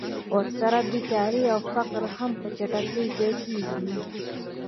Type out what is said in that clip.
ورسره بېکاري او فقر هم په چټکۍ زیاتېږي